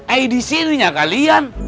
eh di sininya kalian